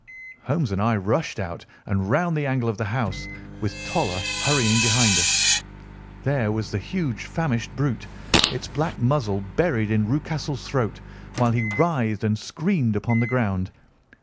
Holmes and I rushed out and round the angle of the house, with Toller hurrying behind us. There was the huge famished brute, its black muzzle buried in Rucastle's throat, while he writhed and screamed upon the ground.